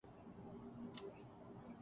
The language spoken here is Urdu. بالکل درست ہے اور وہ ایسا کرتے رہیں گے۔